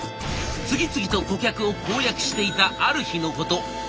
次々と顧客を攻略していたある日のこと。